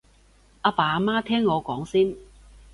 阿爸阿媽聽我講先